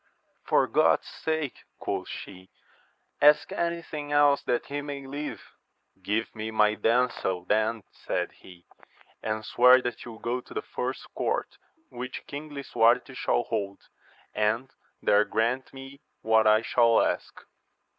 For God's sake, quoth she, ask any thing else that he may live ! Give me, my damsel, then, said he, and swear that you will go to the first court which King Lisuarte shall hold, and there grant me what I shall ask.